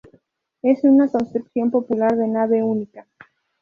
Es una construcción popular de nave única.